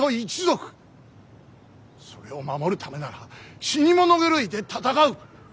それを守るためなら死に物狂いで戦う。